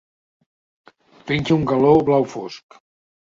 Penja d'un galó blau fosc.